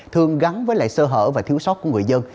thường gắn với lại sơ hở và thiếu sót của người dân